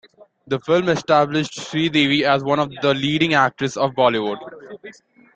The film established Sridevi as one of the leading actress of Bollywood.